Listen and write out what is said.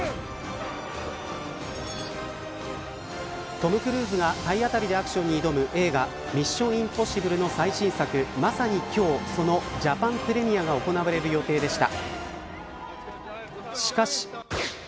トム・クルーズが体当たりアクションに挑む映画ミッション：インポッシブルの最新作まさに今日、そのジャパンプレミアが行われる予定でした。